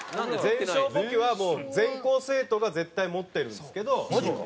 全商簿記はもう全校生徒が絶対持ってるんですけど。